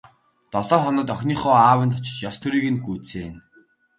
Долоо хоноод охиныхоо аавынд очиж ёс төрийг нь гүйцээнэ.